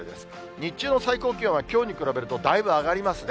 日中の最高気温はきょうに比べると、だいぶ上がりますね。